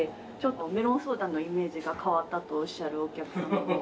メロンソーダのイメージが変わったとおっしゃるお客様もいて。